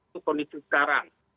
ke kondisi sekarang